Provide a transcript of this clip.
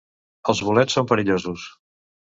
Els bolets són perillosos.